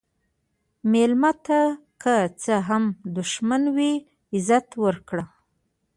مېلمه ته که څه هم دښمن وي، عزت ورکړه.